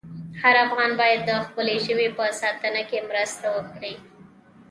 هر افغان باید د خپلې ژبې په ساتنه کې مرسته وکړي.